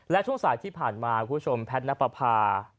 และช่วงสายที่ผ่านมาคุณผู้ชมแพทย์นับประพา